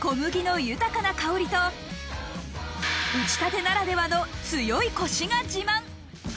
小麦の豊かな香りと、うちたてならではの強いコシが自慢。